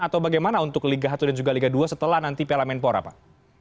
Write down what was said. atau bagaimana untuk liga satu dan juga liga dua setelah nanti piala menpora pak